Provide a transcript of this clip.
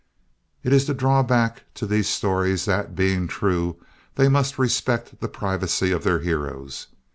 It is the drawback to these stories that, being true, they must respect the privacy of their heroes.